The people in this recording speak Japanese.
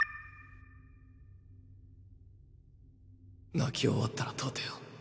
泣き終わったら立てよ。